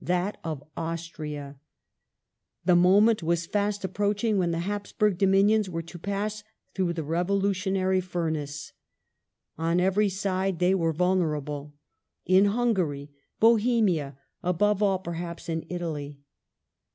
The year of revolu tion 1852] ITALY IN 1848 201 Austria, The moment was fast approaching when the Hapsburg dominions were to pass through the revolutionary furnace. On every side they were vulnerable : in Hungary, Bohemia, above all, perhaps in Italy.